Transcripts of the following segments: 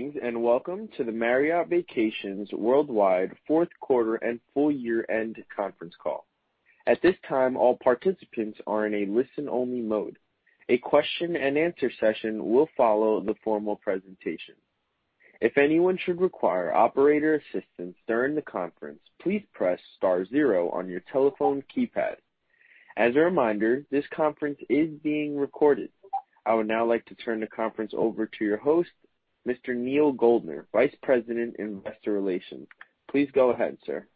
Greetings, and welcome to the Marriott Vacations Worldwide fourth quarter and full year-end conference call. At this time, all participants are in a listen-only mode. A Q&A session will follow the formal presentation. If anyone should require operator assistance during the conference, please press star zero on your telephone keypad. As a reminder, this conference is being recorded. I would now like to turn the conference over to your host, Mr. Neal Goldner, Vice President in Investor Relations. Please go ahead, sir.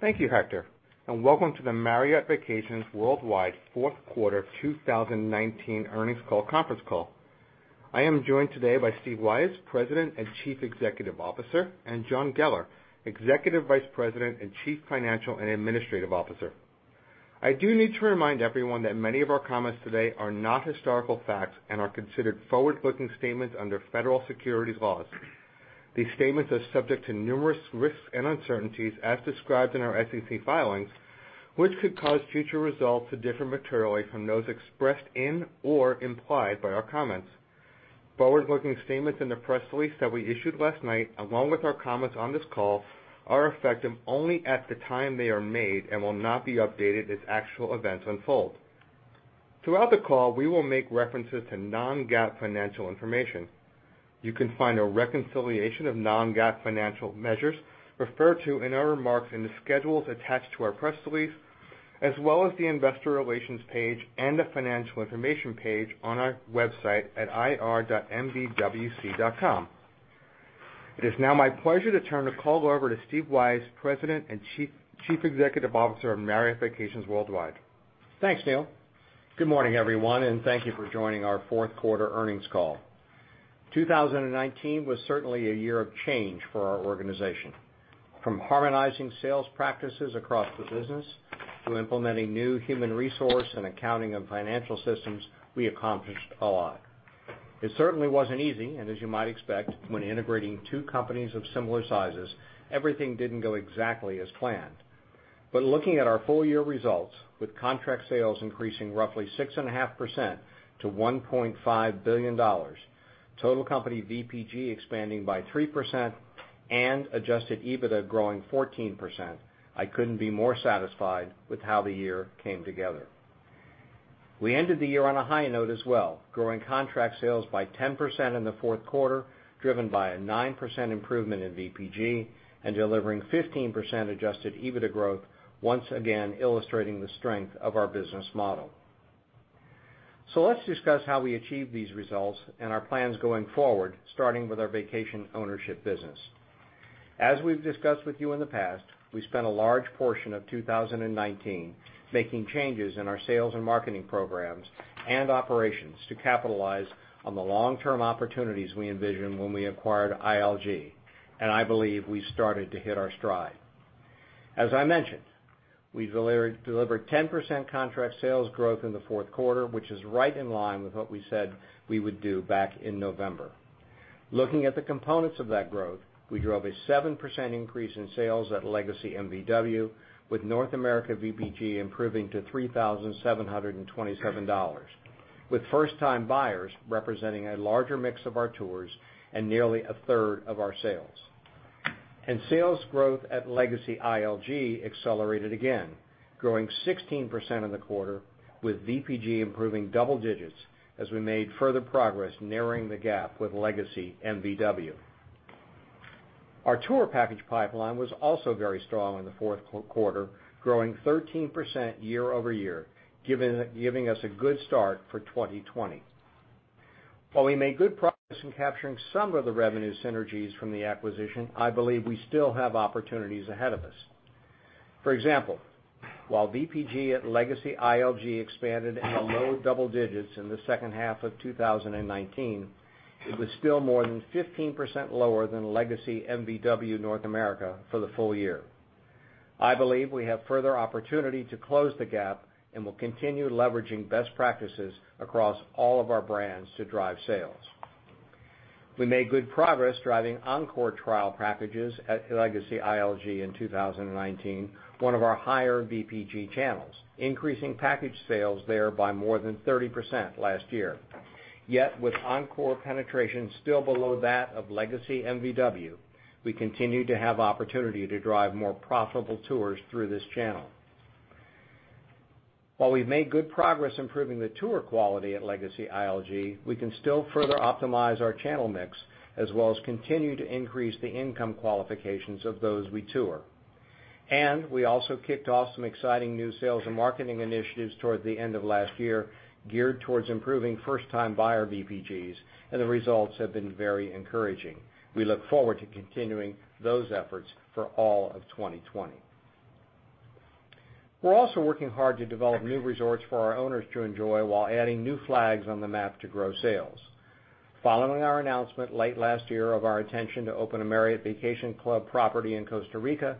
Thank you, Hector, and welcome to the Marriott Vacations Worldwide fourth quarter 2019 earnings call conference call. I am joined today by Steve Weisz, President and Chief Executive Officer, and John Geller, Executive Vice President and Chief Financial and Administrative Officer. I do need to remind everyone that many of our comments today are not historical facts and are considered forward-looking statements under federal securities laws. These statements are subject to numerous risks and uncertainties, as described in our SEC filings, which could cause future results to differ materially from those expressed in or implied by our comments. Forward-looking statements in the press release that we issued last night, along with our comments on this call, are effective only at the time they are made and will not be updated as actual events unfold. Throughout the call, we will make references to non-GAAP financial information. You can find a reconciliation of non-GAAP financial measures referred to in our remarks in the schedules attached to our press release, as well as the investor relations page and the financial information page on our website at ir.mvwc.com. It is now my pleasure to turn the call over to Steve Weisz, President and Chief Executive Officer of Marriott Vacations Worldwide. Thanks, Neal. Good morning, everyone, and thank you for joining our fourth quarter earnings call. 2019 was certainly a year of change for our organization. From harmonizing sales practices across the business to implementing new human resource and accounting and financial systems, we accomplished a lot. It certainly wasn't easy, and as you might expect when integrating two companies of similar sizes, everything didn't go exactly as planned. Looking at our full-year results, with contract sales increasing roughly 6.5% to $1.5 billion, total company VPG expanding by 3%, and adjusted EBITDA growing 14%, I couldn't be more satisfied with how the year came together. We ended the year on a high note as well, growing contract sales by 10% in the fourth quarter, driven by a 9% improvement in VPG and delivering 15% adjusted EBITDA growth, once again illustrating the strength of our business model. Let's discuss how we achieve these results and our plans going forward, starting with our vacation ownership business. As we've discussed with you in the past, we spent a large portion of 2019 making changes in our sales and marketing programs and operations to capitalize on the long-term opportunities we envisioned when we acquired ILG, and I believe we started to hit our stride. As I mentioned, we delivered 10% contract sales growth in the fourth quarter, which is right in line with what we said we would do back in November. Looking at the components of that growth, we drove a 7% increase in sales at Legacy MVW, with North America VPG improving to $3,727, with first-time buyers representing a larger mix of our tours and nearly a 1/3of our sales. Sales growth at Legacy ILG accelerated again, growing 16% in the quarter, with VPG improving double digits as we made further progress narrowing the gap with Legacy MVW. Our tour package pipeline was also very strong in the fourth quarter, growing 13% year-over-year, giving us a good start for 2020. While we made good progress in capturing some of the revenue synergies from the acquisition, I believe we still have opportunities ahead of us. For example, while VPG at Legacy ILG expanded in the low double digits in the second half of 2019, it was still more than 15% lower than Legacy MVW North America for the full year. I believe we have further opportunity to close the gap and will continue leveraging best practices across all of our brands to drive sales. We made good progress driving Encore trial packages at Legacy ILG in 2019, one of our higher VPG channels, increasing package sales there by more than 30% last year. With Encore penetration still below that of Legacy MVW, we continue to have opportunity to drive more profitable tours through this channel. While we've made good progress improving the tour quality at Legacy ILG, we can still further optimize our channel mix, as well as continue to increase the income qualifications of those we tour. We also kicked off some exciting new sales and marketing initiatives toward the end of last year geared towards improving first-time buyer VPGs, and the results have been very encouraging. We look forward to continuing those efforts for all of 2020. We're also working hard to develop new resorts for our owners to enjoy while adding new flags on the map to grow sales. Following our announcement late last year of our intention to open a Marriott Vacation Club property in Costa Rica,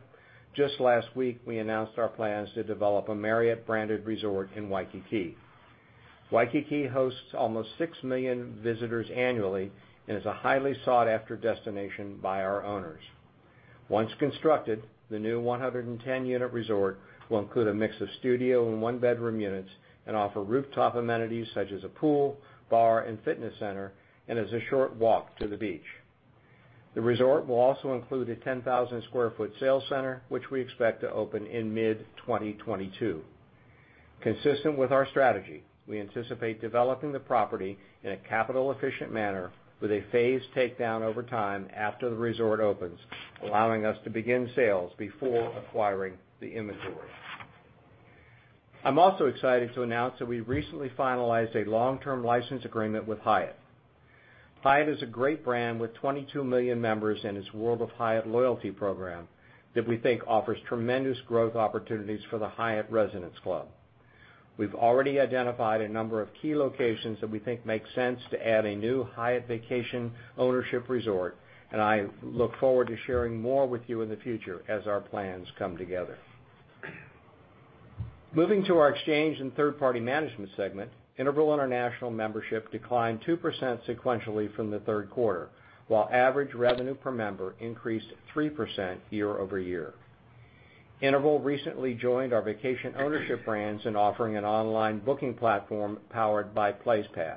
just last week, we announced our plans to develop a Marriott-branded resort in Waikiki. Waikiki hosts almost six million visitors annually and is a highly sought-after destination by our owners. Once constructed, the new 110-unit resort will include a mix of studio and one-bedroom units and offer rooftop amenities such as a pool, bar, and fitness center, and is a short walk to the beach. The resort will also include a 10,000 sq ft sales center, which we expect to open in mid-2022. Consistent with our strategy, we anticipate developing the property in a capital-efficient manner with a phased takedown over time after the resort opens, allowing us to begin sales before acquiring the inventory. I'm also excited to announce that we recently finalized a long-term license agreement with Hyatt. Hyatt is a great brand with 22 million members in its World of Hyatt loyalty program that we think offers tremendous growth opportunities for the Hyatt Residence Club. We've already identified a number of key locations that we think make sense to add a new Hyatt vacation ownership resort. I look forward to sharing more with you in the future as our plans come together. Moving to our exchange in third-party management segment, Interval International membership declined 2% sequentially from the third quarter, while average revenue per member increased 3% year-over-year. Interval recently joined our vacation ownership brands in offering an online booking platform powered by PlacePass.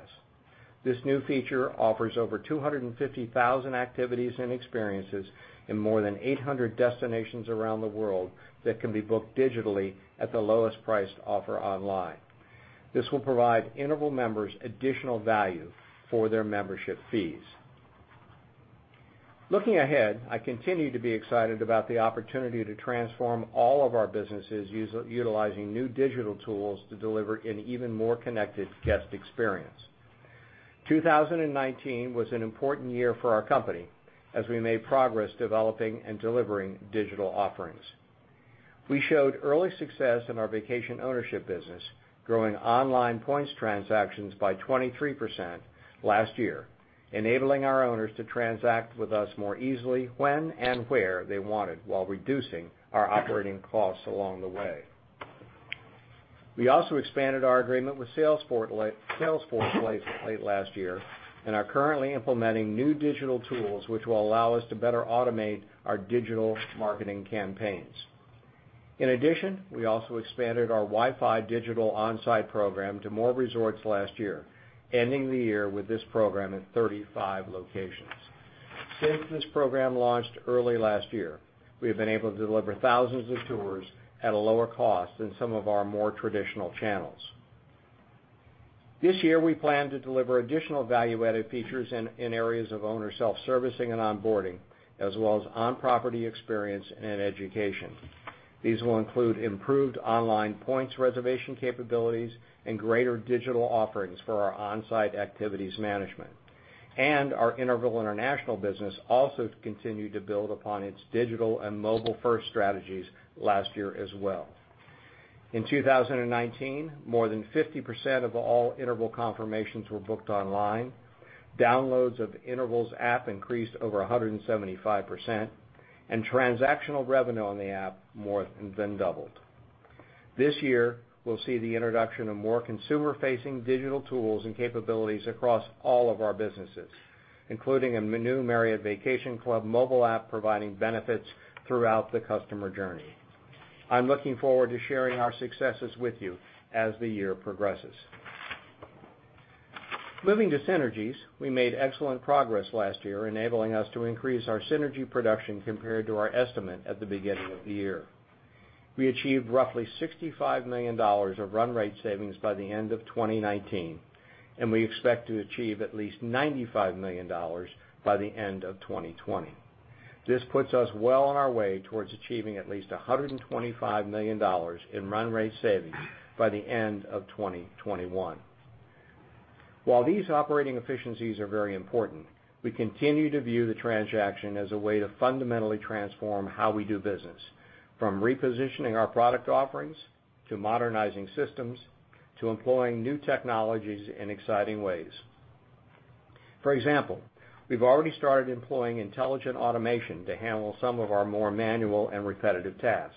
This new feature offers over 250,000 activities and experiences in more than 800 destinations around the world that can be booked digitally at the lowest priced offer online. This will provide Interval Members additional value for their membership fees. Looking ahead, I continue to be excited about the opportunity to transform all of our businesses utilizing new digital tools to deliver an even more connected guest experience. 2019 was an important year for our company as we made progress developing and delivering digital offerings. We showed early success in our vacation ownership business, growing online points transactions by 23% last year, enabling our owners to transact with us more easily when and where they wanted, while reducing our operating costs along the way. We also expanded our agreement with Salesforce late last year and are currently implementing new digital tools which will allow us to better automate our digital marketing campaigns. In addition, we also expanded our Wi-Fi digital on-site program to more resorts last year, ending the year with this program at 35 locations. Since this program launched early last year, we have been able to deliver thousands of tours at a lower cost than some of our more traditional channels. This year, we plan to deliver additional value-added features in areas of owner self-servicing and onboarding, as well as on-property experience and education. These will include improved online points reservation capabilities and greater digital offerings for our on-site activities management. Our Interval International business also continued to build upon its digital and mobile-first strategies last year as well. In 2019, more than 50% of all Interval confirmations were booked online, downloads of Interval's app increased over 175%, and transactional revenue on the app more than doubled. This year, we'll see the introduction of more consumer-facing digital tools and capabilities across all of our businesses, including a new Marriott Vacation Club mobile app providing benefits throughout the customer journey. I'm looking forward to sharing our successes with you as the year progresses. Moving to synergies, we made excellent progress last year, enabling us to increase our synergy production compared to our estimate at the beginning of the year. We achieved roughly $65 million of run rate savings by the end of 2019, and we expect to achieve at least $95 million by the end of 2020. This puts us well on our way towards achieving at least $125 million in run rate savings by the end of 2021. While these operating efficiencies are very important, we continue to view the transaction as a way to fundamentally transform how we do business, from repositioning our product offerings to modernizing systems, to employing new technologies in exciting ways. For example, we've already started employing intelligent automation to handle some of our more manual and repetitive tasks,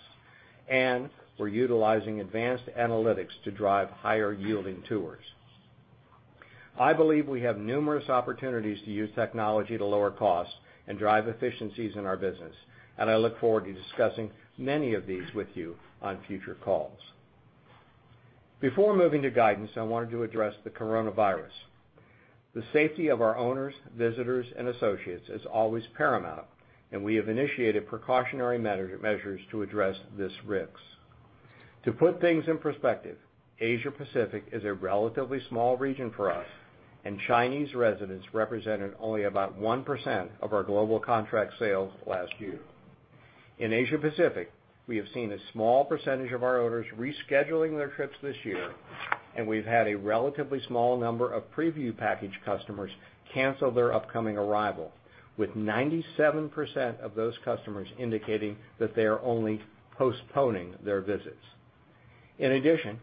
and we're utilizing advanced analytics to drive higher-yielding tours. I believe we have numerous opportunities to use technology to lower costs and drive efficiencies in our business, and I look forward to discussing many of these with you on future calls. Before moving to guidance, I wanted to address the coronavirus. The safety of our owners, visitors, and associates is always paramount, and we have initiated precautionary measures to address these risks. To put things in perspective, Asia-Pacific is a relatively small region for us, and Chinese residents represented only about 1% of our global contract sales last year. In Asia-Pacific, we have seen a small percentage of our owners rescheduling their trips this year, and we've had a relatively small number of preview package customers cancel their upcoming arrival, with 97% of those customers indicating that they are only postponing their visits. In addition,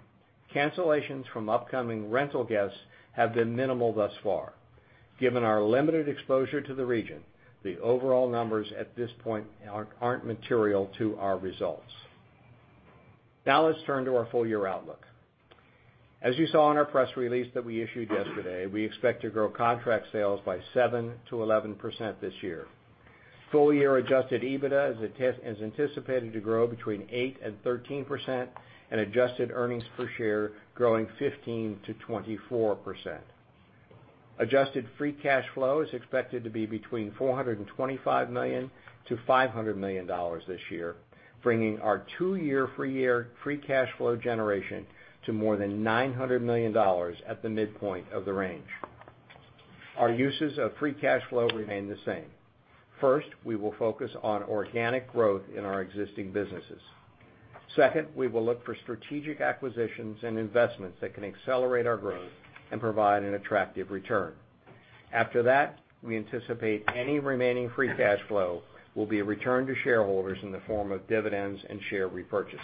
cancellations from upcoming rental guests have been minimal thus far. Given our limited exposure to the region, the overall numbers at this point aren't material to our results. Now let's turn to our full-year outlook. As you saw in our press release that we issued yesterday, we expect to grow contract sales by 7%-11% this year. Full-year adjusted EBITDA is anticipated to grow between 8% and 13%, and adjusted earnings per share growing 15%-24%. Adjusted free cash flow is expected to be between $425 million-$500 million this year, bringing our two-year free cash flow generation to more than $900 million at the midpoint of the range. Our uses of free cash flow remain the same. First, we will focus on organic growth in our existing businesses. Second, we will look for strategic acquisitions and investments that can accelerate our growth and provide an attractive return. After that, we anticipate any remaining free cash flow will be returned to shareholders in the form of dividends and share repurchase.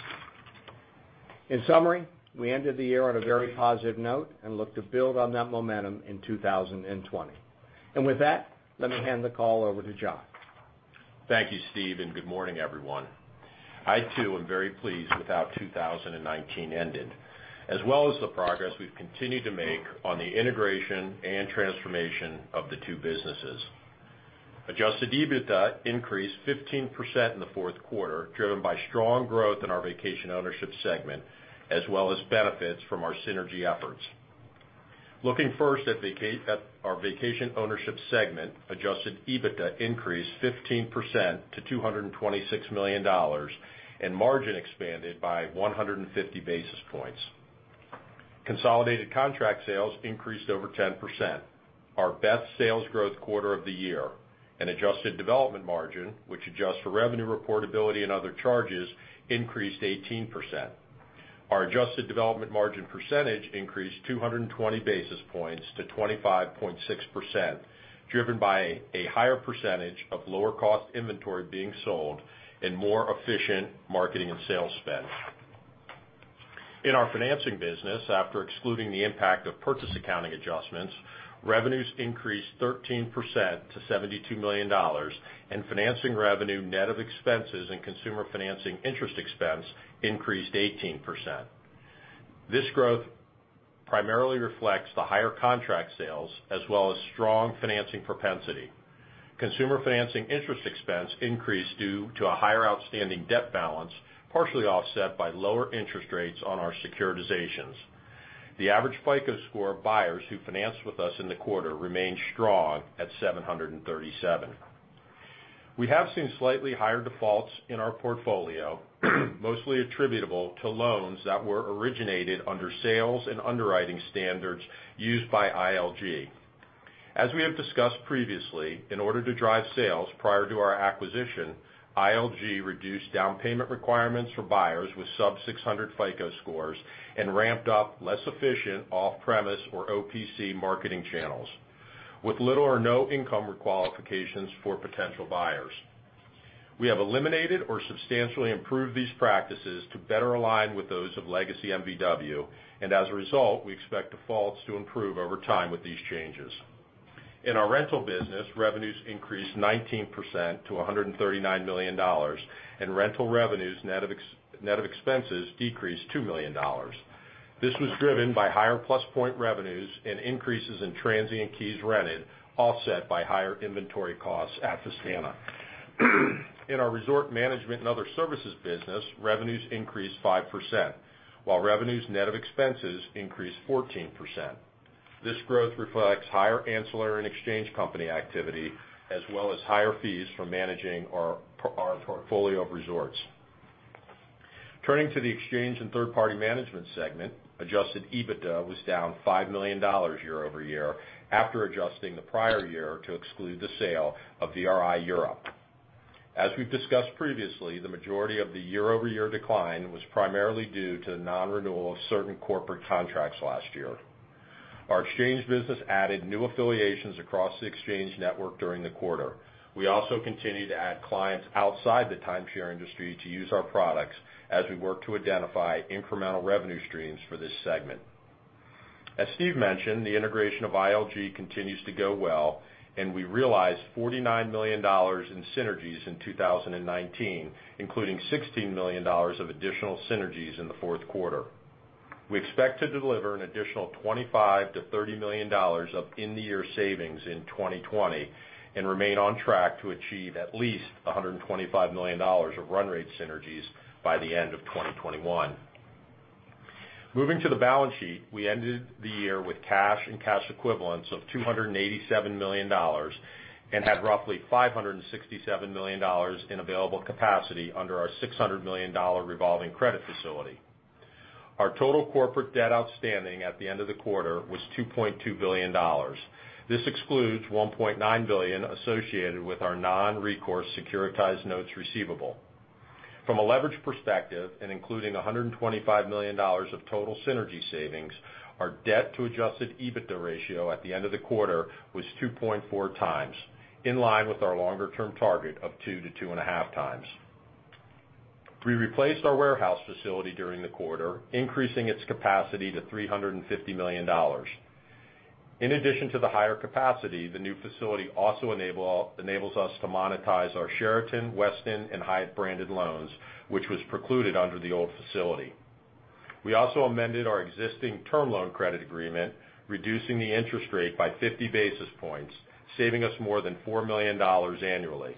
In summary, we ended the year on a very positive note and look to build on that momentum in 2020. With that, let me hand the call over to John. Thank you, Steve, and good morning, everyone. I too am very pleased with how 2019 ended, as well as the progress we've continued to make on the integration and transformation of the two businesses. Adjusted EBITDA increased 15% in the fourth quarter, driven by strong growth in our vacation ownership segment, as well as benefits from our synergy efforts. Looking first at our vacation ownership segment, adjusted EBITDA increased 15% to $226 million, and margin expanded by 150 basis points. Consolidated contract sales increased over 10%, our best sales growth quarter of the year, and adjusted development margin, which adjusts for revenue reportability and other charges, increased 18%. Our adjusted development margin percentage increased 220 basis points to 25.6%, driven by a higher percentage of lower-cost inventory being sold and more efficient marketing and sales spend. In our financing business, after excluding the impact of purchase accounting adjustments, revenues increased 13% to $72 million, and financing revenue net of expenses and consumer financing interest expense increased 18%. This growth primarily reflects the higher contract sales as well as strong financing propensity. Consumer financing interest expense increased due to a higher outstanding debt balance, partially offset by lower interest rates on our securitizations. The average FICO score of buyers who financed with us in the quarter remained strong at 737. We have seen slightly higher defaults in our portfolio, mostly attributable to loans that were originated under sales and underwriting standards used by ILG. As we have discussed previously, in order to drive sales prior to our acquisition, ILG reduced down payment requirements for buyers with sub-600 FICO scores and ramped up less efficient off-premise or OPC marketing channels with little or no income or qualifications for potential buyers. We have eliminated or substantially improved these practices to better align with those of Legacy MVW, and as a result, we expect defaults to improve over time with these changes. In our rental business, revenues increased 19% to $139 million, and rental revenues net of expenses decreased $2 million. This was driven by higher PlusPoints revenues and increases in transient keys rented, offset by higher inventory costs at Vistana. In our resort management and other services business, revenues increased 5%, while revenues net of expenses increased 14%. This growth reflects higher ancillary and exchange company activity, as well as higher fees for managing our portfolio of resorts. Turning to the exchange and third-party management segment, adjusted EBITDA was down $5 million year-over-year after adjusting the prior year to exclude the sale of VRI Europe. As we've discussed previously, the majority of the year-over-year decline was primarily due to the non-renewal of certain corporate contracts last year. Our exchange business added new affiliations across the exchange network during the quarter. We also continue to add clients outside the timeshare industry to use our products as we work to identify incremental revenue streams for this segment. As Steve mentioned, the integration of ILG continues to go well, and we realized $49 million in synergies in 2019, including $16 million of additional synergies in the fourth quarter. We expect to deliver an additional $25 million-$30 million of in the year savings in 2020 and remain on track to achieve at least $125 million of run rate synergies by the end of 2021. Moving to the balance sheet. We ended the year with cash and cash equivalents of $287 million and had roughly $567 million in available capacity under our $600 million revolving credit facility. Our total corporate debt outstanding at the end of the quarter was $2.2 billion. This excludes $1.9 billion associated with our non-recourse securitized notes receivable. From a leverage perspective and including $125 million of total synergy savings, our debt to adjusted EBITDA ratio at the end of the quarter was 2.4 times, in line with our longer-term target of 2x-2.5x. We replaced our warehouse facility during the quarter, increasing its capacity to $350 million. In addition to the higher capacity, the new facility also enables us to monetize our Sheraton, Westin, and Hyatt-branded loans, which was precluded under the old facility. We also amended our existing term loan credit agreement, reducing the interest rate by 50 basis points, saving us more than $4 million annually.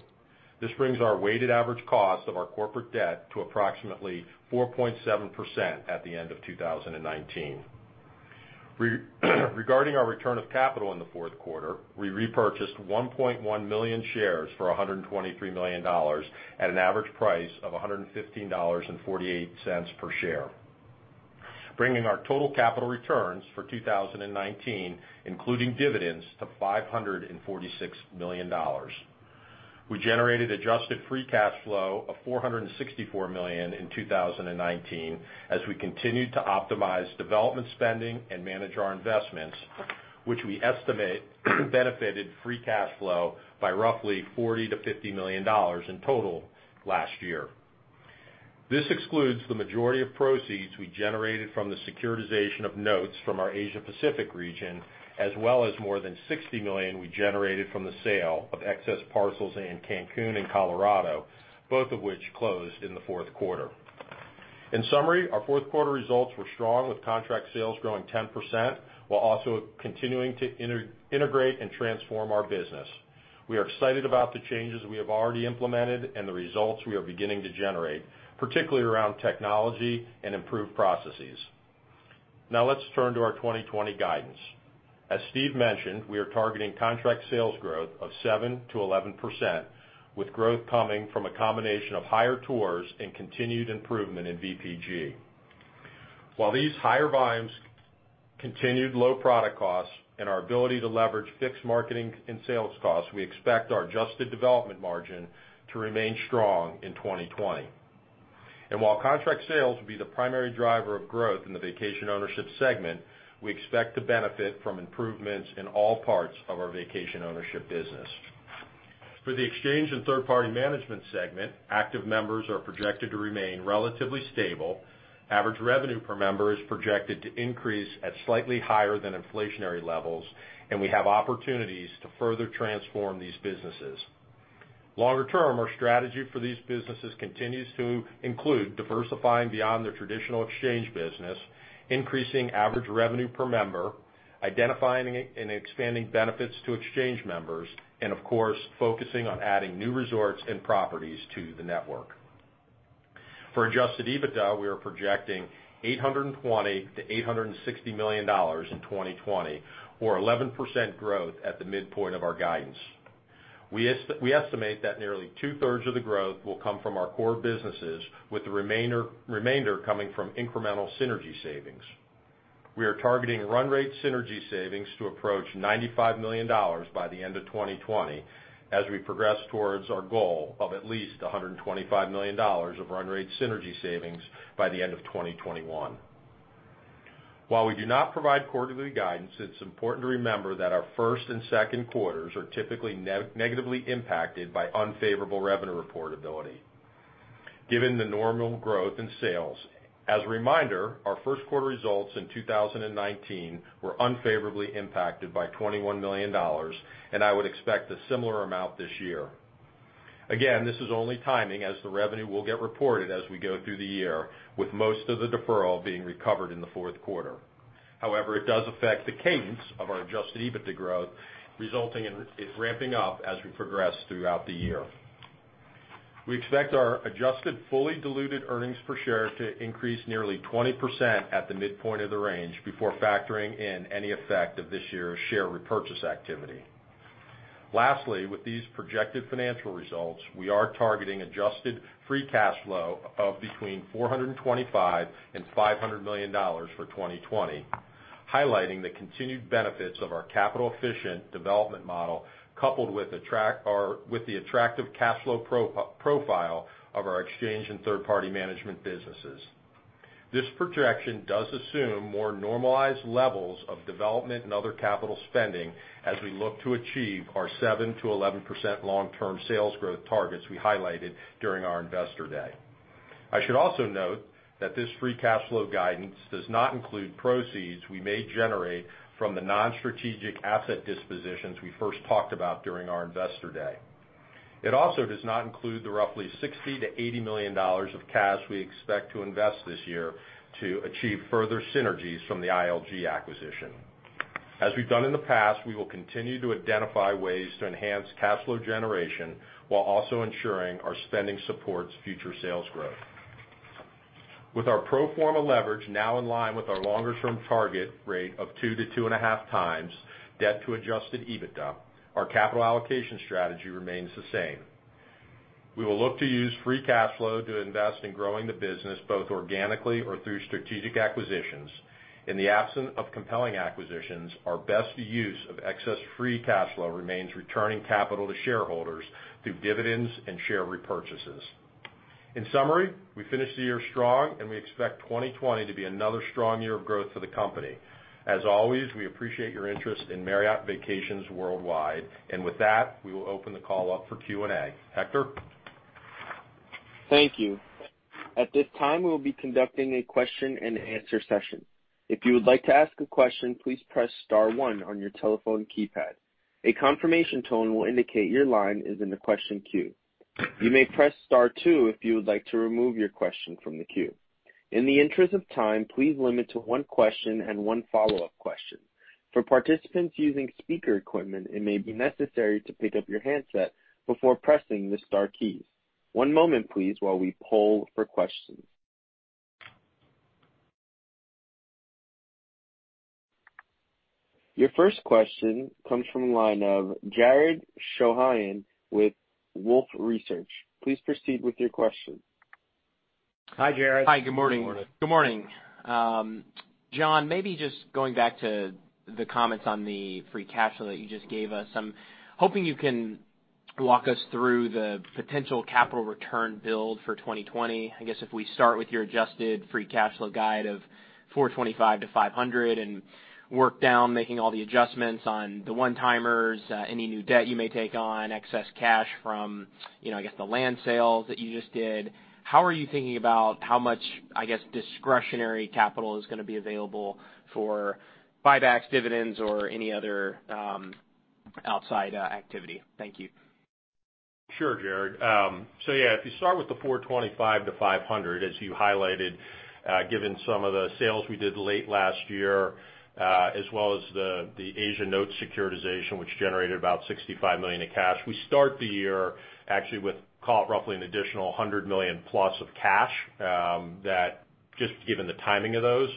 This brings our weighted average cost of our corporate debt to approximately 4.7% at the end of 2019. Regarding our return of capital in the fourth quarter, we repurchased $1.1 million shares for $123 million at an average price of $115.48 per share, bringing our total capital returns for 2019, including dividends, to $546 million. We generated adjusted free cash flow of $464 million in 2019 as we continued to optimize development spending and manage our investments, which we estimate benefited free cash flow by roughly $40 million-$50 million in total last year. This excludes the majority of proceeds we generated from the securitization of notes from our Asia Pacific region, as well as more than $60 million we generated from the sale of excess parcels in Cancun and Colorado, both of which closed in the fourth quarter. In summary, our fourth quarter results were strong, with contract sales growing 10%, while also continuing to integrate and transform our business. We are excited about the changes we have already implemented and the results we are beginning to generate, particularly around technology and improved processes. Now let's turn to our 2020 guidance. As Steve mentioned, we are targeting contract sales growth of 7%-11%, with growth coming from a combination of higher tours and continued improvement in VPG. While these higher volumes, continued low product costs, and our ability to leverage fixed marketing and sales costs, we expect our adjusted development margin to remain strong in 2020. While contract sales will be the primary driver of growth in the vacation ownership segment, we expect to benefit from improvements in all parts of our vacation ownership business. For the exchange and third-party management segment, active members are projected to remain relatively stable, average revenue per member is projected to increase at slightly higher than inflationary levels, and we have opportunities to further transform these businesses. Longer term, our strategy for these businesses continues to include diversifying beyond the traditional exchange business, increasing average revenue per member, identifying and expanding benefits to exchange members, and of course, focusing on adding new resorts and properties to the network. For adjusted EBITDA, we are projecting $820 million-$860 million in 2020, or 11% growth at the midpoint of our guidance. We estimate that nearly 2/3 of the growth will come from our core businesses, with the remainder coming from incremental synergy savings. We are targeting run rate synergy savings to approach $95 million by the end of 2020 as we progress towards our goal of at least $125 million of run rate synergy savings by the end of 2021. While we do not provide quarterly guidance, it is important to remember that our first and second quarters are typically negatively impacted by unfavorable revenue reportability given the normal growth in sales. As a reminder, our first quarter results in 2019 were unfavorably impacted by $21 million, and I would expect a similar amount this year. Again, this is only timing as the revenue will get reported as we go through the year, with most of the deferral being recovered in the fourth quarter. However, it does affect the cadence of our adjusted EBITDA growth, resulting in it ramping up as we progress throughout the year. We expect our adjusted fully diluted earnings per share to increase nearly 20% at the midpoint of the range before factoring in any effect of this year's share repurchase activity. Lastly, with these projected financial results, we are targeting adjusted free cash flow of between $425 and $500 million for 2020, highlighting the continued benefits of our capital-efficient development model, coupled with the attractive cash flow profile of our exchange and third-party management businesses. This projection does assume more normalized levels of development and other capital spending as we look to achieve our 7%-11% long-term sales growth targets we highlighted during our investor day. I should also note that this free cash flow guidance does not include proceeds we may generate from the non-strategic asset dispositions we first talked about during our investor day. It also does not include the roughly $60million-$80 million of cash we expect to invest this year to achieve further synergies from the ILG acquisition. As we've done in the past, we will continue to identify ways to enhance cash flow generation while also ensuring our spending supports future sales growth. With our pro forma leverage now in line with our longer-term target rate of 2x-2.5x debt to adjusted EBITDA, our capital allocation strategy remains the same. We will look to use free cash flow to invest in growing the business both organically or through strategic acquisitions. In the absence of compelling acquisitions, our best use of excess free cash flow remains returning capital to shareholders through dividends and share repurchases. In summary, we finished the year strong and we expect 2020 to be another strong year of growth for the company. As always, we appreciate your interest in Marriott Vacations Worldwide. With that, we will open the call up for Q&A. Hector? Thank you. At this time, we will be conducting a Q&A session. If you would like to ask a question, please press star one on your telephone keypad. A confirmation tone will indicate your line is in the question queue. You may press star two if you would like to remove your question from the queue. In the interest of time, please limit to one question and one follow-up question. For participants using speaker equipment, it may be necessary to pick up your handset before pressing the star keys. One moment please, while we poll for questions. Your first question comes from the line of Jared Shojaian with Wolfe Research. Please proceed with your question. Hi, Jared. Hi, good morning. Good morning. Good morning. John, maybe just going back to the comments on the free cash flow that you just gave us. I'm hoping you can walk us through the potential capital return build for 2020. I guess if we start with your adjusted free cash flow guide of $425-$500 and work down making all the adjustments on the one-timers, any new debt you may take on, excess cash from, I guess, the land sales that you just did. How are you thinking about how much, I guess, discretionary capital is going to be available for buybacks, dividends, or any other outside activity? Thank you. Sure, Jared. Yeah, if you start with the $425-$500, as you highlighted, given some of the sales we did late last year, as well as the Asia notes securitization, which generated about $65 million of cash. We start the year actually with call it roughly an additional $100 million-plus of cash, just given the timing of those.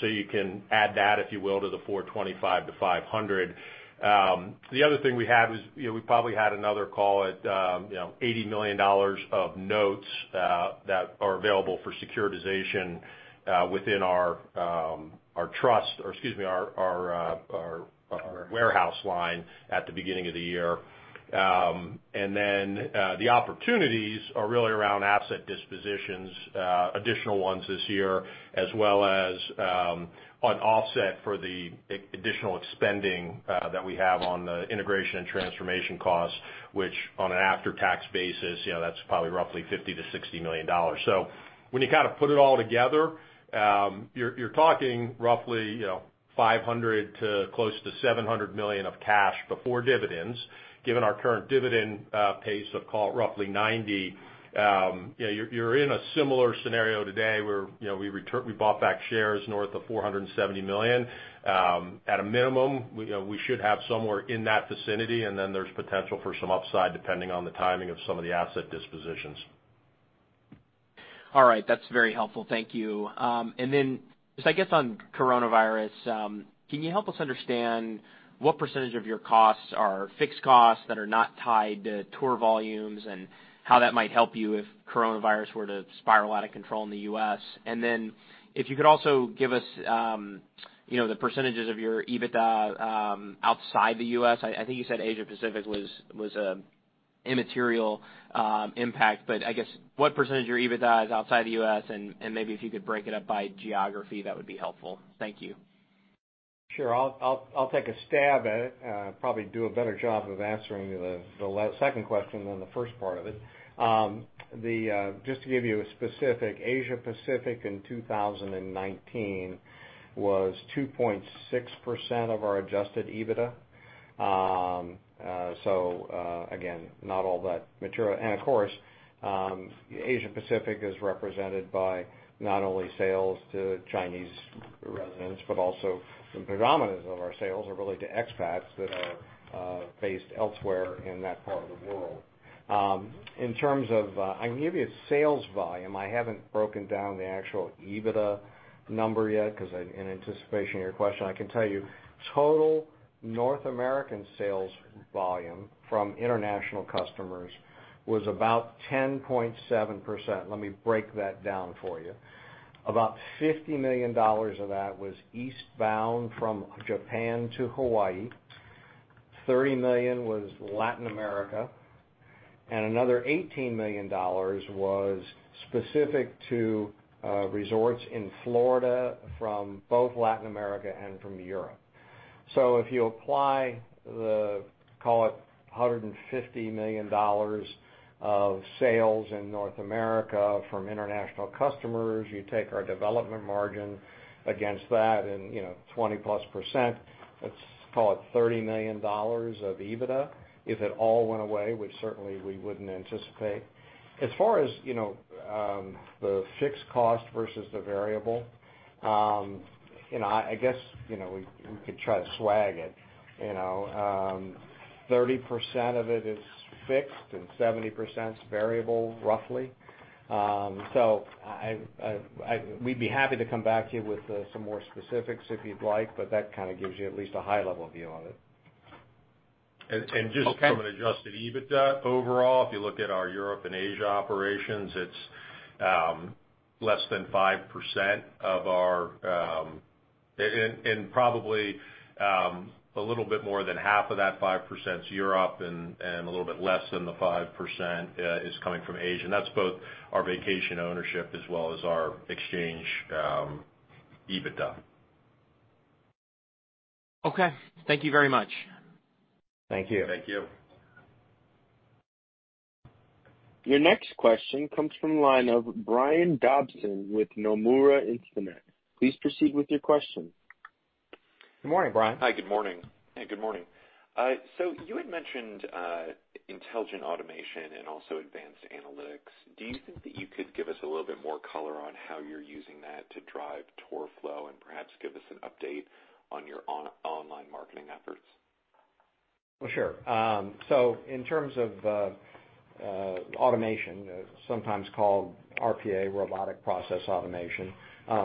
The other thing we had was we probably had another, call it, $80 million of notes that are available for securitization within our trust, or excuse me, our warehouse line at the beginning of the year. The opportunities are really around asset dispositions, additional ones this year as well as an offset for the additional expending that we have on the integration and transformation costs, which on an after-tax basis, that's probably roughly $50 million-$60 million. When you put it all together, you're talking roughly $500 million to close to $700 million of cash before dividends. Given our current dividend pace of call it roughly $90 million, you're in a similar scenario today where we bought back shares north of $470 million. At a minimum, we should have somewhere in that vicinity, and then there's potential for some upside depending on the timing of some of the asset dispositions. All right. That's very helpful. Thank you. Just I guess on coronavirus, can you help us understand what % of your costs are fixed costs that are not tied to tour volumes and how that might help you if coronavirus were to spiral out of control in the U.S.? If you could also give us the % of your EBITDA outside the U.S. I think you said Asia Pacific was a immaterial impact, but I guess what % of your EBITDA is outside the U.S. and maybe if you could break it up by geography, that would be helpful. Thank you. Sure. I'll take a stab at it. Probably do a better job of answering the second question than the first part of it. Just to give you a specific, Asia Pacific in 2019 was 2.6% of our adjusted EBITDA. Again, not all that material. Of course, Asia Pacific is represented by not only sales to Chinese residents, but also the predominance of our sales are really to expats that are based elsewhere in that part of the world. I can give you a sales volume. I haven't broken down the actual EBITDA number yet because in anticipation of your question. I can tell you total North American sales volume from international customers was about 10.7%. Let me break that down for you. About $50 million of that was eastbound from Japan to Hawaii, $30 million was Latin America, and another $18 million was specific to resorts in Florida from both Latin America and from Europe. If you apply the, call it, $150 million of sales in North America from international customers, you take our development margin against that and 20%+, let's call it $30 million of EBITDA if it all went away, which certainly we wouldn't anticipate. As far as the fixed cost versus the variable, I guess, we could try to swag it. 30% of it is fixed and 70% is variable, roughly. We'd be happy to come back to you with some more specifics if you'd like, but that kind of gives you at least a high level view on it. Okay. Just from an adjusted EBITDA overall, if you look at our Europe and Asia operations, it's less than 5%. Probably a little bit more than half of that 5% is Europe, and a little bit less than the 5% is coming from Asia. That's both our vacation ownership as well as our exchange EBITDA. Okay. Thank you very much. Thank you. Thank you. Your next question comes from the line of Brian Dobson with Nomura Instinet. Please proceed with your question. Good morning, Brian. Hi, good morning. You had mentioned intelligent automation and also advanced analytics. Do you think that you could give us a little bit more color on how you're using that to drive tour flow and perhaps give us an update on your online marketing efforts? Sure. In terms of automation, sometimes called RPA, Robotic Process Automation,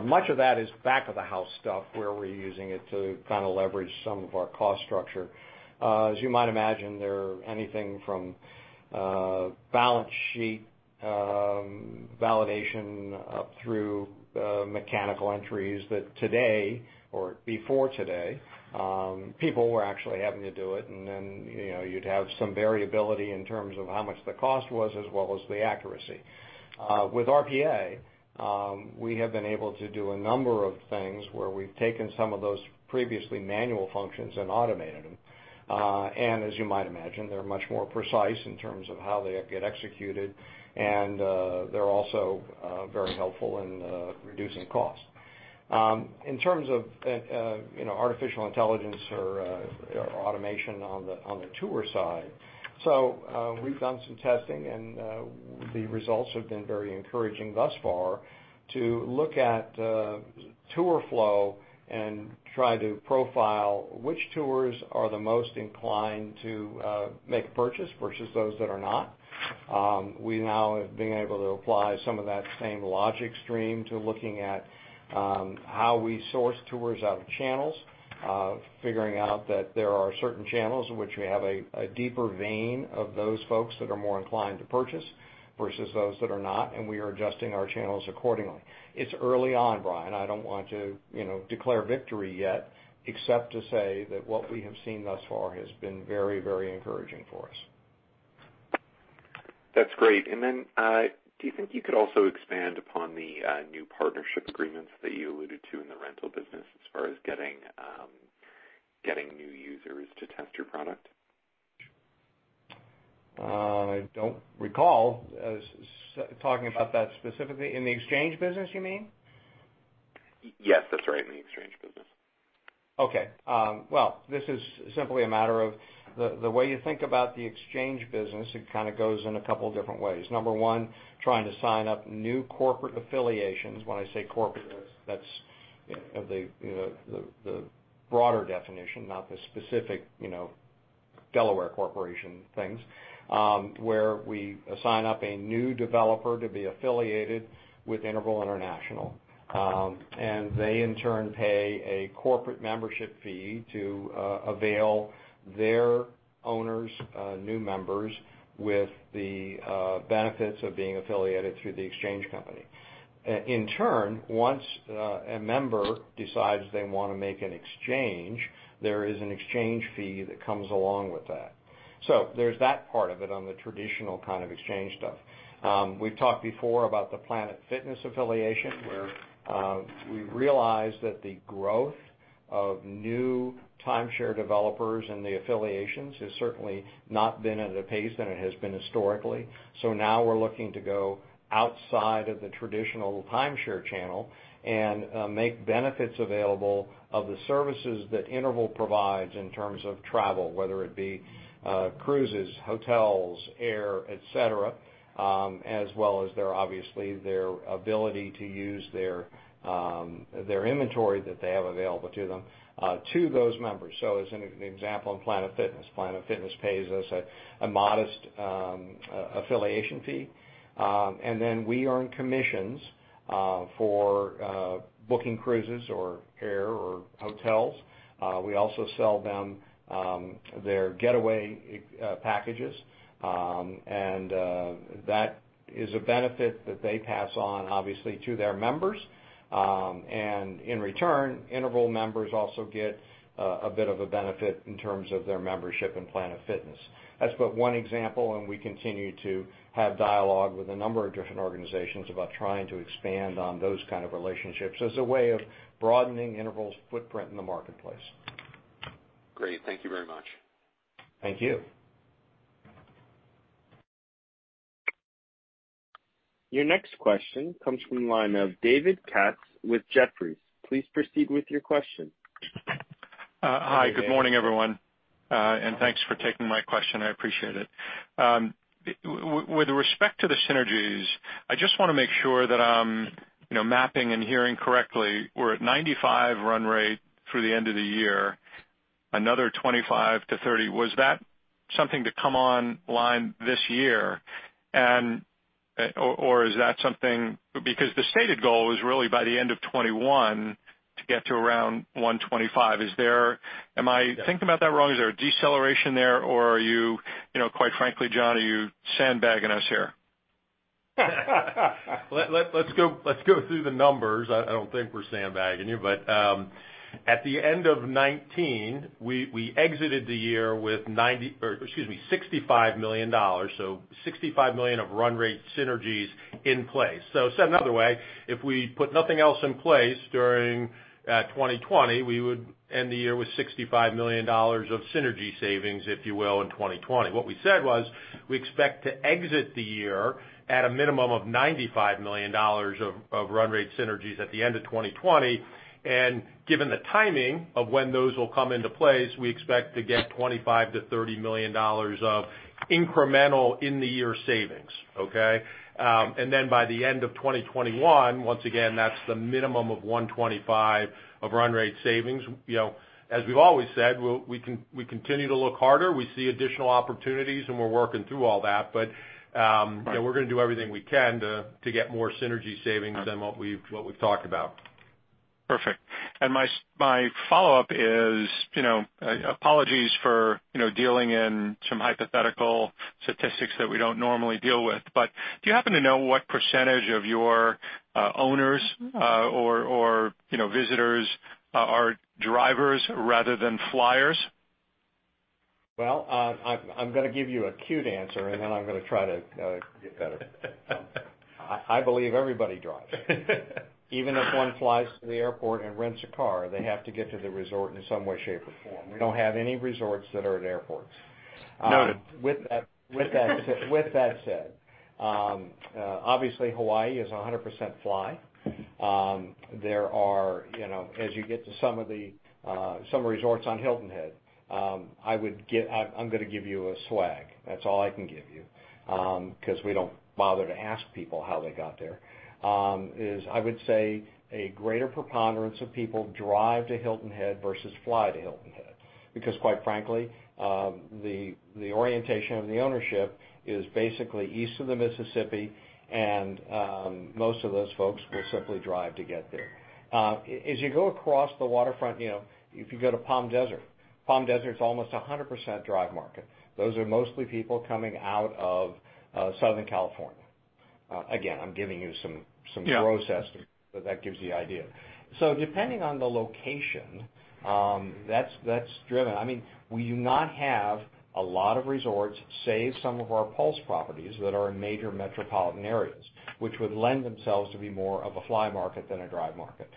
much of that is back of the house stuff where we're using it to leverage some of our cost structure. As you might imagine, they're anything from balance sheet validation up through mechanical entries that today or before today, people were actually having to do it, you'd have some variability in terms of how much the cost was as well as the accuracy. With RPA, we have been able to do a number of things where we've taken some of those previously manual functions and automated them. As you might imagine, they're much more precise in terms of how they get executed and they're also very helpful in reducing cost. In terms of artificial intelligence or automation on the tour side, we've done some testing and the results have been very encouraging thus far to look at tour flow and try to profile which tours are the most inclined to make a purchase versus those that are not. We now have been able to apply some of that same logic stream to looking at how we source tours out of channels, figuring out that there are certain channels in which we have a deeper vein of those folks that are more inclined to purchase versus those that are not, and we are adjusting our channels accordingly. It's early on, Brian, I don't want to declare victory yet except to say that what we have seen thus far has been very encouraging for us. That's great. Do you think you could also expand upon the new partnership agreements that you alluded to in the rental business as far as getting new users to test your product? I don't recall talking about that specifically. In the exchange business, you mean? Yes, that's right, in the exchange business. Well, this is simply a matter of the way you think about the exchange business, it kind of goes in a couple different ways. Number one, trying to sign up new corporate affiliations. When I say corporate, that's the broader definition, not the specific Delaware corporation things, where we sign up a new developer to be affiliated with Interval International, and they in turn pay a corporate membership fee to avail their owners, new members with the benefits of being affiliated through the exchange company. In turn, once a member decides they want to make an exchange, there is an exchange fee that comes along with that. There's that part of it on the traditional kind of exchange stuff. We've talked before about the Planet Fitness affiliation where we realized that the growth of new timeshare developers and the affiliations has certainly not been at a pace that it has been historically. Now we're looking to go outside of the traditional timeshare channel and make benefits available of the services that Interval provides in terms of travel, whether it be cruises, hotels, air, et cetera, as well as obviously their ability to use their inventory that they have available to them to those members. As an example in Planet Fitness, Planet Fitness pays us a modest affiliation fee, and then we earn commissions for booking cruises or air or hotels. We also sell them their getaway packages, and that is a benefit that they pass on, obviously, to their members. In return, Interval Members also get a bit of a benefit in terms of their membership in Planet Fitness. That's but one example, and we continue to have dialogue with a number of different organizations about trying to expand on those kind of relationships as a way of broadening Interval's footprint in the marketplace. Great. Thank you very much. Thank you. Your next question comes from the line of David Katz with Jefferies. Please proceed with your question. Hi. Good morning, everyone, thanks for taking my question. I appreciate it. With respect to the synergies, I just want to make sure that I'm mapping and hearing correctly. We're at $95 run rate through the end of the year, another $25-$30. Was that something to come online this year? Or is that because the stated goal was really by the end of 2021 to get to around $125. Am I thinking about that wrong? Is there a deceleration there, or are you, quite frankly, John, are you sandbagging us here? Let's go through the numbers. I don't think we're sandbagging you. At the end of 2019, we exited the year with $65 million. $65 million of run rate synergies in place. Said another way, if we put nothing else in place during 2020, we would end the year with $65 million of synergy savings, if you will, in 2020. What we said was, we expect to exit the year at a minimum of $95 million of run rate synergies at the end of 2020, and given the timing of when those will come into place, we expect to get $25 million-$30 million of incremental in the year savings. Okay. By the end of 2021, once again, that's the minimum of $125 million of run rate savings. As we've always said, we continue to look harder. We see additional opportunities. We're working through all that. We're going to do everything we can to get more synergy savings than what we've talked about. Perfect. My follow-up is, apologies for dealing in some hypothetical statistics that we don't normally deal with, but do you happen to know what percentage of your owners or visitors are drivers rather than flyers? Well, I'm going to give you a cute answer, and then I'm going to try to get better. I believe everybody drives. Even if one flies to the airport and rents a car, they have to get to the resort in some way, shape, or form. We don't have any resorts that are at airports. Noted. With that said, obviously Hawaii is 100% fly. As you get to some resorts on Hilton Head, I'm going to give you a swag. That's all I can give you, because we don't bother to ask people how they got there, is I would say a greater preponderance of people drive to Hilton Head versus fly to Hilton Head. Quite frankly, the orientation of the ownership is basically east of the Mississippi and most of those folks will simply drive to get there. As you go across the waterfront, if you go to Palm Desert, Palm Desert's almost 100% drive market. Those are mostly people coming out of Southern California. Again, I'm giving you some gross estimates, that gives you the idea. Depending on the location, that's driven. We do not have a lot of resorts, save some of our Pulse properties that are in major metropolitan areas, which would lend themselves to be more of a fly market than a drive market.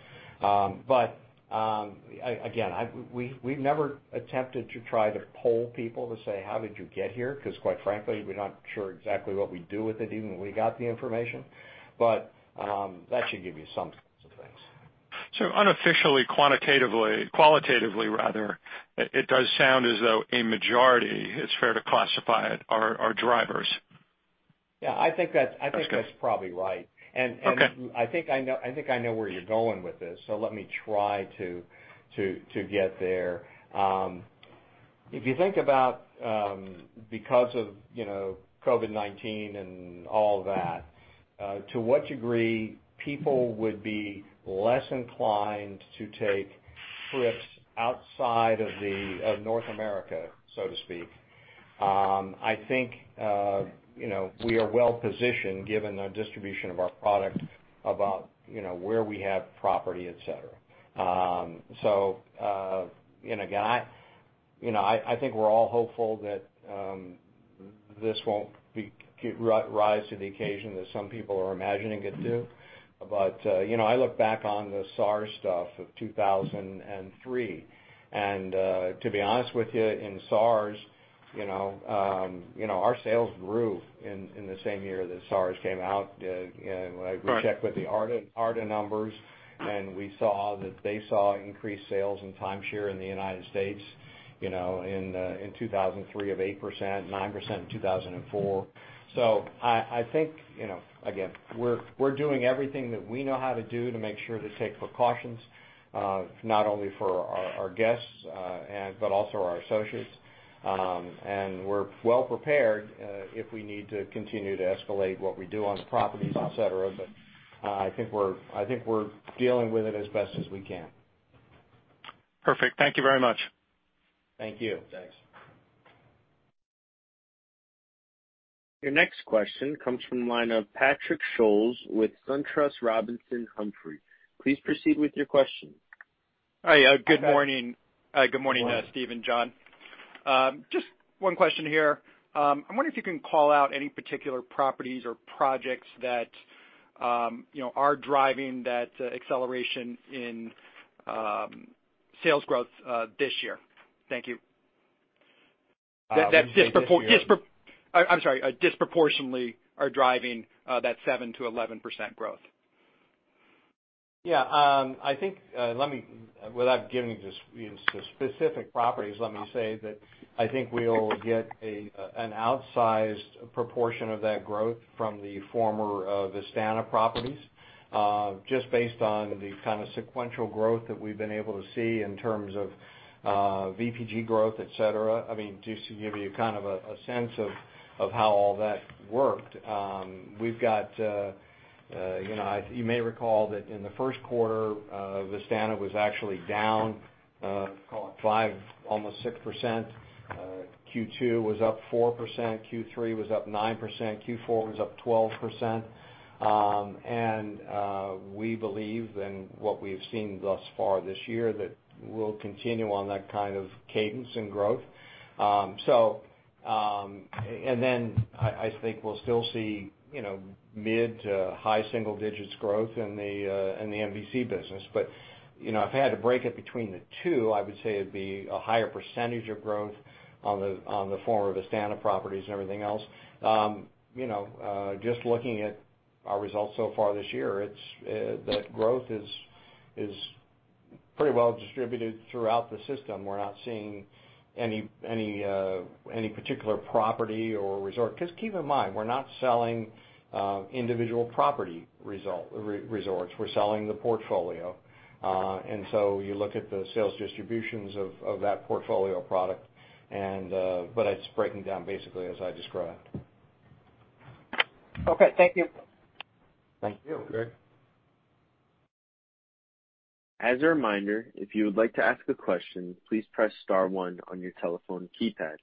Again, we've never attempted to try to poll people to say, "How did you get here?" Quite frankly, we're not sure exactly what we'd do with it even if we got the information. That should give you some sense of things. Unofficially, qualitatively, it does sound as though a majority, it's fair to classify it, are drivers. Yeah. I think that's probably right. Okay. I think I know where you're going with this, so let me try to get there. If you think about because of COVID-19 and all that, to what degree people would be less inclined to take trips outside of North America, so to speak. I think we are well positioned given the distribution of our product about where we have property, et cetera. Again, I think we're all hopeful that this won't rise to the occasion that some people are imagining it to. I look back on the SARS stuff of 2003, and to be honest with you, in SARS, our sales grew in the same year that SARS came out. Right. We checked with the ARDA numbers, we saw that they saw increased sales in timeshare in the U.S. in 2003 of 8%, 9% in 2004. I think, again, we're doing everything that we know how to do to make sure to take precautions, not only for our guests, but also our associates. We're well prepared if we need to continue to escalate what we do on the properties, et cetera. I think we're dealing with it as best as we can. Perfect. Thank you very much. Thank you. Thanks. Your next question comes from the line of Patrick Scholes with SunTrust Robinson Humphrey. Please proceed with your question. Hi. Good morning. Good morning, Steve and John. Just one question here. I'm wondering if you can call out any particular properties or projects that are driving that acceleration in sales growth this year. Thank you. When you say this year- I'm sorry. Disproportionately are driving that 7%-11% growth. Yeah. Without giving you the specific properties, let me say that I think we'll get an outsized proportion of that growth from the former Vistana properties. Just based on the kind of sequential growth that we've been able to see in terms of VPG growth, et cetera. Just to give you a sense of how all that worked, we've got You may recall that in the first quarter, Vistana was actually down, call it 5%, almost 6%. Q2 was up 4%. Q3 was up 9%. Q4 was up 12%. We believe, and what we've seen thus far this year, that we'll continue on that kind of cadence in growth. I think we'll still see mid to high single digits growth in the MVC business. If I had to break it between the two, I would say it'd be a higher percentage of growth on the former Vistana properties and everything else. Just looking at our results so far this year, the growth is pretty well distributed throughout the system. We're not seeing any particular property or resort. Keep in mind, we're not selling individual property resorts, we're selling the portfolio. You look at the sales distributions of that portfolio product, but it's breaking down basically as I described. Okay, thank you. Thank you. As a reminder, if you would like to ask a question, please press star one on your telephone keypad.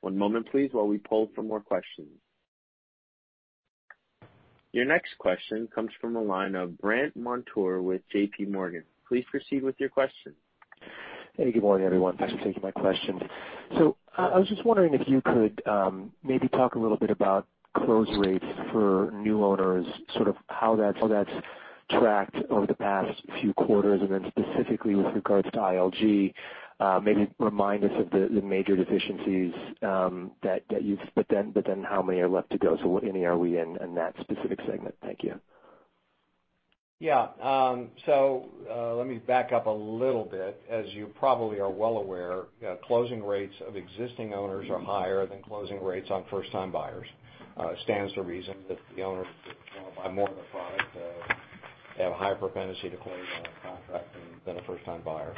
One moment, please, while we poll for more questions. Your next question comes from the line of Brandt Montour with JPMorgan. Please proceed with your question. Hey, good morning, everyone. Thanks for taking my question. I was just wondering if you could maybe talk a little bit about close rates for new owners, how that's tracked over the past few quarters, and then specifically with regards to ILG, maybe remind us of the major deficiencies. How many are left to go? What inning are we in in that specific segment? Thank you. Yeah. Let me back up a little bit. As you probably are well aware, closing rates of existing owners are higher than closing rates on first time buyers. It stands to reason that the owners that want to buy more of the product have a higher propensity to close on a contract than a first time buyer.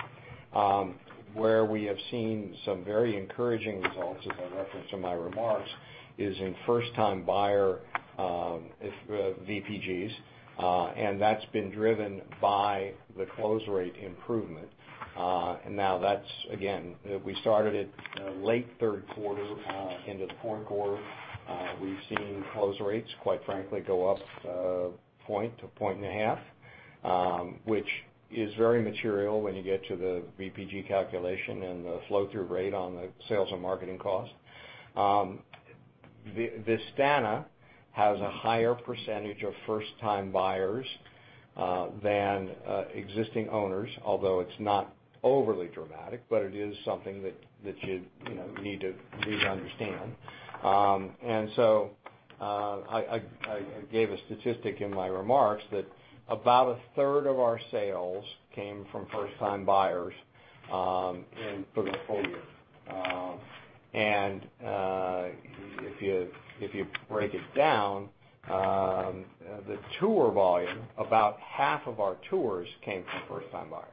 Where we have seen some very encouraging results, as I referenced in my remarks, is in first time buyer VPGs, and that's been driven by the close rate improvement. Now that's, again, we started it late third quarter into the fourth quarter. We've seen close rates, quite frankly, go up a point to a point and a half, which is very material when you get to the VPG calculation and the flow through rate on the sales and marketing cost. Vistana has a higher percentage of first time buyers than existing owners, although it's not overly dramatic, but it is something that you need to understand. I gave a statistic in my remarks that about a third of our sales came from first time buyers for the full year. If you break it down, the tour volume, about half of our tours came from first time buyers.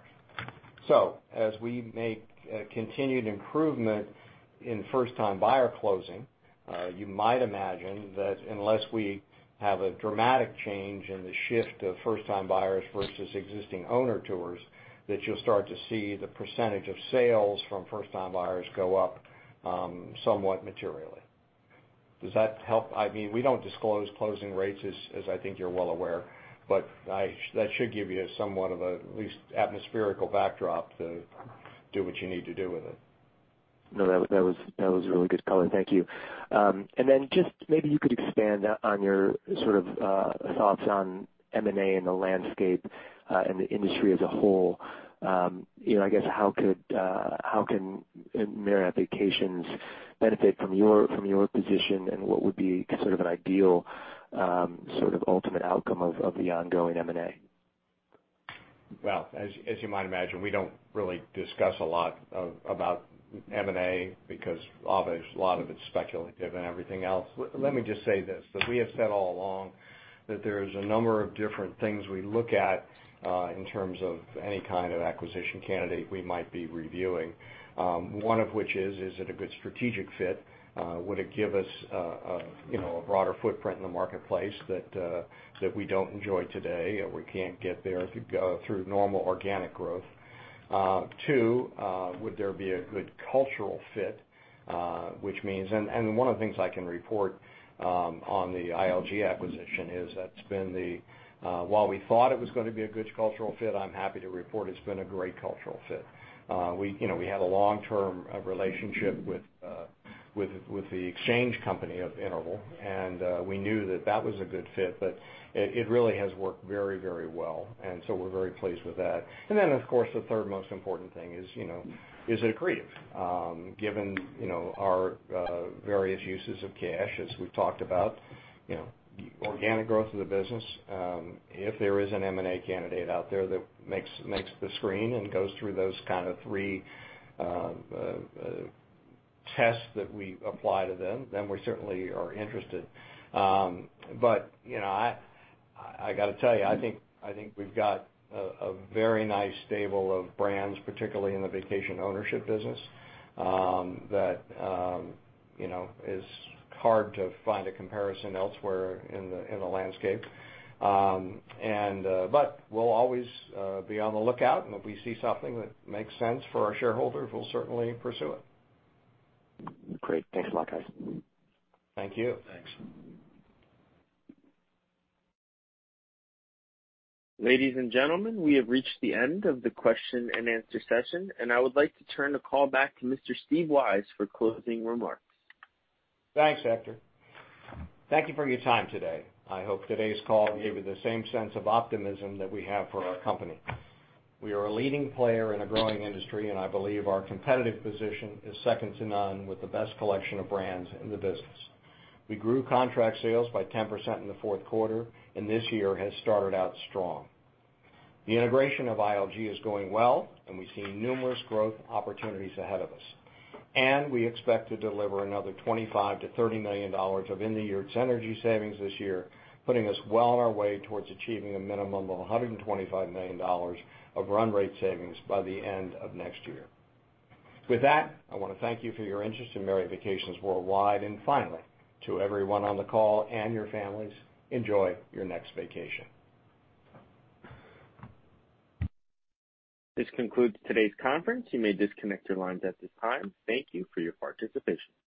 As we make continued improvement in first time buyer closing, you might imagine that unless we have a dramatic change in the shift of first time buyers versus existing owner tours, that you'll start to see the percentage of sales from first time buyers go up somewhat materially. Does that help? We don't disclose closing rates, as I think you're well aware, but that should give you somewhat of at least atmospheric backdrop to do what you need to do with it. No, that was a really good color. Thank you. Just maybe you could expand on your thoughts on M&A in the landscape and the industry as a whole. I guess, how can Marriott Vacations benefit from your position, and what would be an ideal ultimate outcome of the ongoing M&A? Well, as you might imagine, we don't really discuss a lot about M&A because obviously a lot of it's speculative and everything else. Let me just say this, that we have said all along that there is a number of different things we look at in terms of any kind of acquisition candidate we might be reviewing. One of which is it a good strategic fit? Would it give us a broader footprint in the marketplace that we don't enjoy today, or we can't get there through normal organic growth? Two, would there be a good cultural fit? One of the things I can report on the ILG Acquisition is that while we thought it was going to be a good cultural fit, I'm happy to report it's been a great cultural fit. We had a long-term relationship with the exchange company of Interval, and we knew that that was a good fit, but it really has worked very well, and so we're very pleased with that. Of course, the third most important thing is it accretive? Given our various uses of cash, as we've talked about, organic growth of the business, if there is an M&A candidate out there that makes the screen and goes through those kind of three tests that we apply to them, then we certainly are interested. I got to tell you, I think we've got a very nice stable of brands, particularly in the vacation ownership business, that is hard to find a comparison elsewhere in the landscape. We'll always be on the lookout, and if we see something that makes sense for our shareholders, we'll certainly pursue it. Great. Thanks a lot, guys. Thank you. Thanks. Ladies and gentlemen, we have reached the end of the question and answer session, and I would like to turn the call back to Mr. Steve Weisz for closing remarks. Thanks, Hector. Thank you for your time today. I hope today's call gave you the same sense of optimism that we have for our company. We are a leading player in a growing industry, and I believe our competitive position is second to none with the best collection of brands in the business. We grew contract sales by 10% in the fourth quarter, and this year has started out strong. The integration of ILG is going well, and we see numerous growth opportunities ahead of us. We expect to deliver another $25 to $30 million of in the year synergy savings this year, putting us well on our way towards achieving a minimum of $125 million of run rate savings by the end of next year. With that, I want to thank you for your interest in Marriott Vacations Worldwide. Finally, to everyone on the call and your families, enjoy your next vacation. This concludes today's conference. You may disconnect your lines at this time. Thank you for your participation.